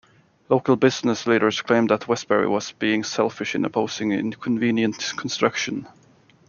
Local business leaders claimed that Westbury was being selfish in opposing inconvenient construction.